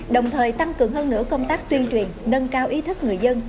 đồng thời tăng cường hơn nữa công tác tuyên truyền nâng cao ý thức người dân